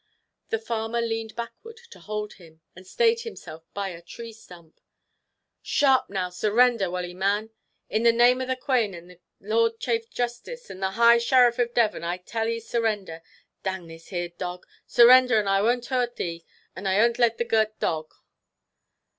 The farmer leaned backward to hold him, and stayed himself by a tree stump. "Sharp now, surrender, wull e, man. In the name of of the Quane and the Lord Chafe Justice, and the High Shariff of Devon, I tell e surrender dang this here dog surrender, and I 'ont hoort e; and I 'ont let the girt dog."